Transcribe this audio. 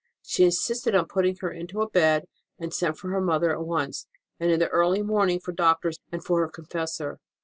She insisted on putting her into a bed, and sent for her mother at once, and in the early morning for doctors and for her confessor.